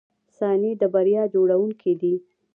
• ثانیې د بریا جوړونکي دي.